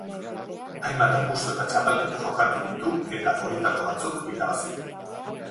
Hainbat apustu eta txapelketa jokatu ditu, eta, horietako batzuk irabazi.